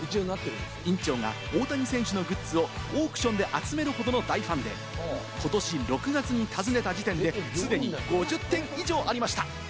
院長が大谷選手のグッズをオークションで集めるほどの大ファンで、ことし６月に訪ねた時点で既に５０点以上ありました。